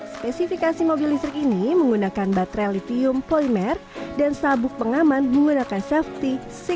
spesifikasi mobil listrik ini menggunakan baterai litium polimer dan sabuk pengaman menggunakan safety city